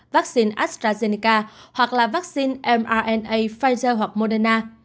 vaccine astrazeneca hoặc là vaccine mrna pfizer hoặc moderna